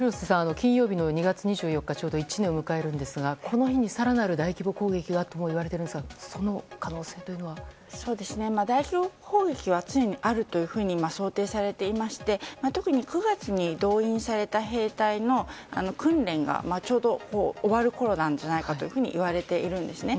金曜日の２月２４日でちょうど１年を迎えるんですがこの日に更なる大規模攻撃がともいわれていますが大規模攻撃は常にあるというふうに想定されていまして特に、９月に動員された兵隊の訓練がちょうど終わるころなんじゃないかといわれているんですね。